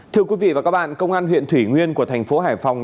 thưa quý vị và các bạn công an huyện thủy nguyên của thành phố hải phòng